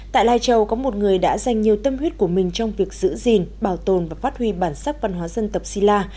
tại lai châu có một người đã dành nhiều tâm huyết của mình trong việc giữ gìn bảo tồn và phát huy bản sắc văn hóa dân tộc si la